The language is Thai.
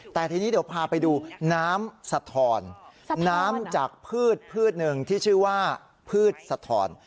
แต่ทีนี้เดี๋ยวพาไปดูน้ำสะทอนน้ำจากพืชพืชหนึ่งที่ชื่อว่าพืชสะทอน